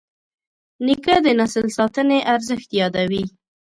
نیکه د نسل ساتنې ارزښت یادوي.